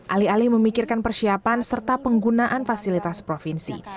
alih alih memikirkan persiapan serta penggunaan fasilitas provinsi